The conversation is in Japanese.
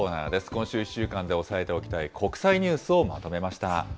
今週１週間で押さえておきたい国際ニュースをまとめました。